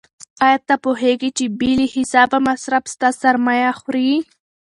آیا ته پوهېږې چې بې له حسابه مصرف ستا سرمایه خوري؟